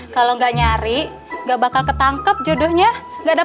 karena aku udah ada